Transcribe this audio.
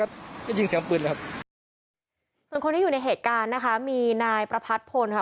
ก็จะยิงเสียงปืนเลยครับส่วนคนที่อยู่ในเหตุการณ์นะคะมีนายประพัดพลค่ะ